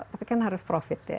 tapi kan harus profit ya